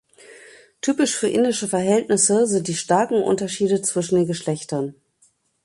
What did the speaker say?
Typisch für indische Verhältnisse sind die starken Unterschiede zwischen den Geschlechtern.